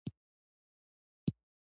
مالي راپورونه د شرکت وضعیت ښيي.